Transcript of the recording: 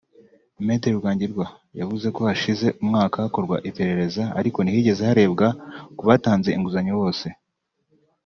Me Rukangira yavuze ko hashize umwaka hakorwa iperereza ariko ntihigeze harebwa ku batanze inguzanyo bose